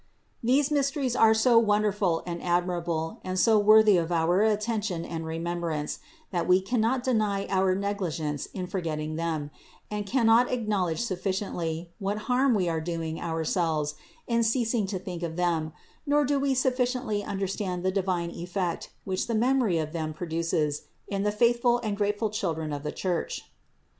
All these mysteries are so wonderful and admirable, and so worthy of our atten tion and remembrance, that we cannot deny our negli gence in forgetting them, and we cannot acknowledge THE INCARNATION 427 sufficiently, what harm we are doing ourselves in ceas ing to think of them, nor do we sufficiently understand the divine effect, which the memory of them produces in the faithful and grateful children of the Church.